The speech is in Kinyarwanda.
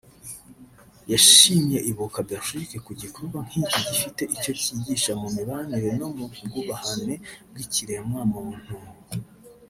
yashimiye Ibuka-Belgique ku gikorwa nk’iki gifite icyo kigisha mu mibanire no mu bwubahane bw’ikiremwa muntu